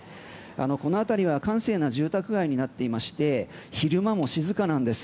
この辺りは閑静な住宅街になっていまして昼間も静かなんです。